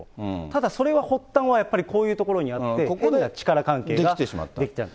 ただそれは、発端は、やっぱりこういうところにあって、変な力関係ができた。